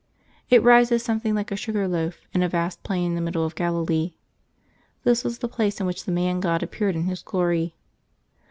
It rises something like a sugar loaf, in a vast plain in the middle of Galilee. This was the place in which the Man G^d appeared in His glory.